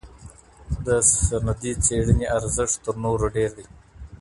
د سندي څيړني ارزښت تر نورو ډېر دی.